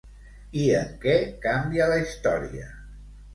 I en què canvia la història?